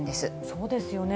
そうですよね。